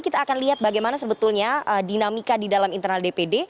kita akan lihat bagaimana sebetulnya dinamika di dalam internal dpd